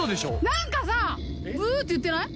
何かさ「ウー」って言ってない？